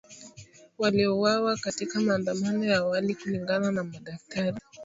waliouawa katika maandamano ya awali kulingana na madaktari